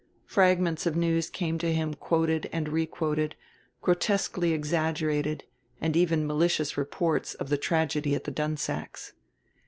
Fragments of news came to him quoted and re quoted, grotesquely exaggerated and even malicious reports of the tragedy at the Dunsacks'.